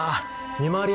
見回り